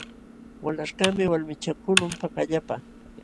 Walaśhkaqmi walmichakuqlun pakallapa.